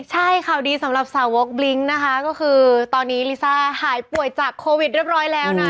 ใช่ข่าวดีสำหรับสาวกบลิ้งนะคะก็คือตอนนี้ลิซ่าหายป่วยจากโควิดเรียบร้อยแล้วนะ